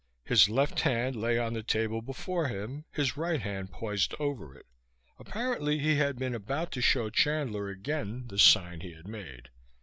His left hand lay on the table before him, his right hand poised over it. Apparently he had been about to show Chandler again the sign he had made.